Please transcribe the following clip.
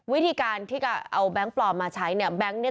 วิธีการที่จะเอาแบงค์ปลอมมาใช้เนี่ย